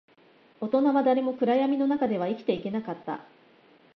大人は誰も暗闇の中では生きていけなかった